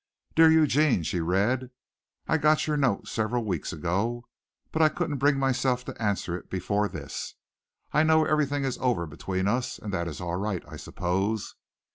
"Dear Eugene:" she read "I got your note several weeks ago, but I couldn't bring myself to answer it before this. I know everything is over between us and that is all right I suppose.